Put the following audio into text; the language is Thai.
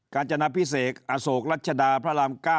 การจนาพิเศษอโศกรัชดาพระราม๙